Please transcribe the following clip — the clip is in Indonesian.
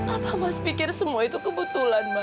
anak mas pikir semua itu kebetulan mas